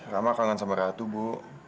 kamu kangen sama ratu bu